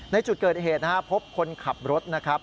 ในจุดเกิดเหตุนะครับพบคนขับรถนะครับ